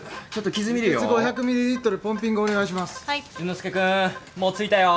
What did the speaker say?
淳之介君もう着いたよ。